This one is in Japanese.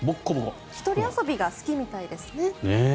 １人遊びが好きみたいですね。